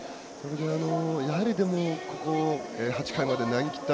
やはり８回まで投げきった